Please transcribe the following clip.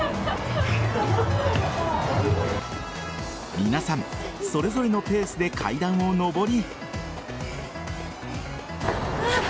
皆さんそれぞれのペースで階段を上り。